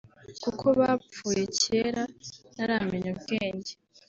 kuko bapfuye kera ntaramenya ubwenge